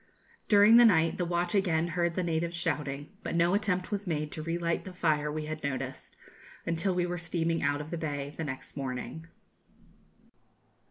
During the night the watch again heard the natives shouting; but no attempt was made to re light the fire we had noticed, until we were steaming out of the bay the next morning.